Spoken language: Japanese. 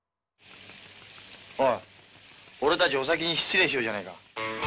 おい俺たちお先に失礼しようじゃないか。